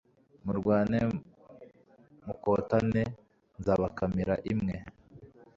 murwane mukotane nzabakamira imwe